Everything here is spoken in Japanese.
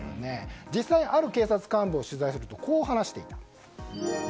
実際、ある警察幹部を取材するとこう話していました。